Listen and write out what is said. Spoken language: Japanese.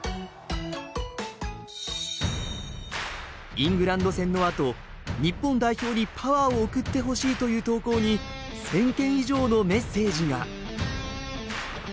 イングランド戦のあと日本代表にパワーを送ってほしいという投稿に１０００件以上のメッセージが。